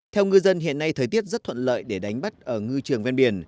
theo ngư dân hiện nay thời tiết rất thuận lợi để đánh bắt ở ngư trường ven biển